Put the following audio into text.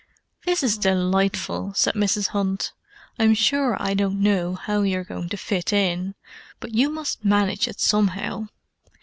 "This is delightful," said Mrs. Hunt. "I'm sure I don't know how you're going to fit in, but you must manage it somehow.